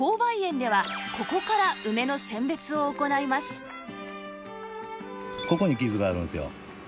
これがここに傷があるんですよ。